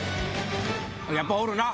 やっぱおるな。